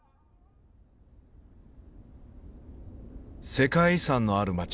世界遺産のある街